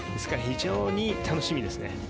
非常に楽しみですね。